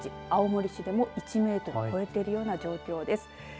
青森市でも１メートル超えているような状況です。